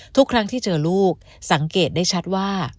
ทุกครั้งที่เจอลูกสังเกตได้ชัดว่า